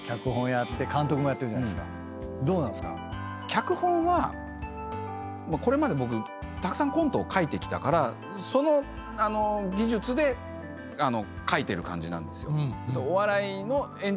脚本はこれまで僕たくさんコントを書いてきたからその技術で書いてる感じなんですよ。